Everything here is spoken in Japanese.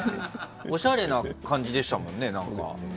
おしゃれな感じでしたもんね。